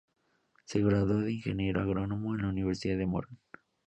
Se graduó de ingeniero agrónomo en la Universidad de Morón.